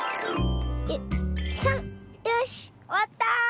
よしおわった！